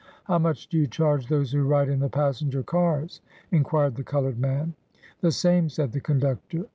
" How much do you charge those who ride in the passenger cars ?" inquired the colored man. " The same," said the conductor.